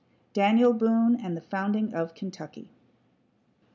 DANIEL BOONE AND THE FOUNDING OF KENTUCKY